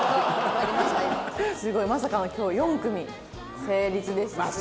すごいまさかの今日４組成立でしたけど。